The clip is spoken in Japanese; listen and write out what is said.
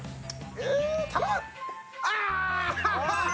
頼む！